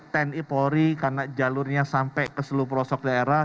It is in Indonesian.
ten ipori karena jalurnya sampai ke seluruh prosok daerah